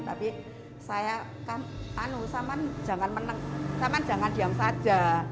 tapi saya kan anu saman jangan menang saman jangan diam saja